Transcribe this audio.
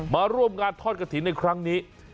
มาร่วมงานทอดกระถิ่นในครั้งนี้